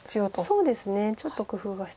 そうですねちょっと工夫が必要です。